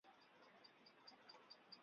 基督教是关乎我们头脑的事吗？